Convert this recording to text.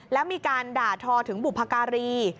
แล้วมีการด่าทอถึงบุพการี